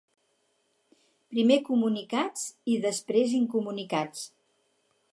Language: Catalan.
Primer comunicats i després incomunicats.